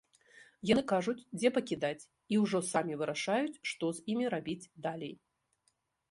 Яны кажуць, дзе пакідаць, і ўжо самі вырашаюць, што з імі рабіць далей.